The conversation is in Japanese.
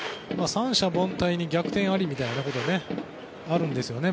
三者凡退のあとに逆転ありみたいなことがあるんですね。